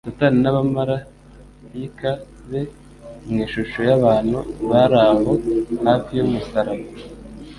Satani n'abamaraika be, mu ishusho y'abantu, bari aho hafi y'umusaraba;